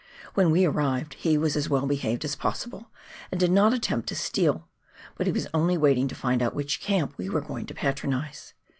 When we arrived he was as well behaved as possible, and did not attempt to steal, but he was only waiting to find out which camp we were going to patronise.